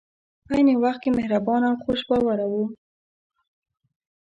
په عین وخت کې مهربان او خوش باوره وو.